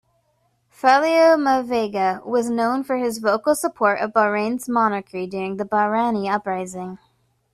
Faleomavaega was known for his vocal support of Bahrain's monarchy during the Bahraini uprising.